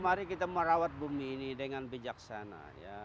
artinya kita mau merawat bumi ini dengan bijaksana